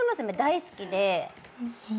大好きで。